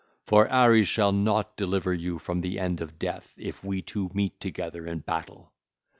For Ares shall not deliver you from the end of death, if we two meet together in battle.